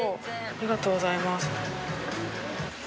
ありがとうございます。